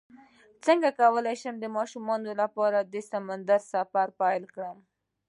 څنګه کولی شم د ماشومانو لپاره د سمندر سفر پلان کړم